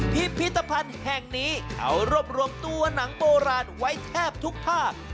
พิพิธภัณฑ์แห่งนี้เขารวบรวมตัวหนังโบราณไว้แทบทุกภาค